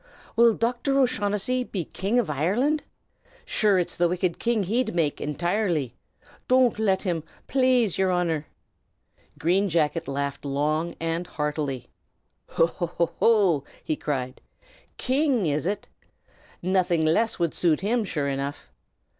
"Will Docthor O'Shaughnessy be King av Ireland? Sure it's the wicked king he'd make, intirely. Don't let him, plaze, yer Honor!" Green Jacket laughed long and heartily. "Ho! ho! ho!" he cried. "King, is it? Nothing less would suit him, sure enough!